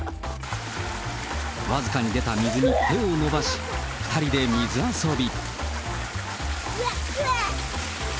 僅かに出た水に手を伸ばし、２人で水遊び。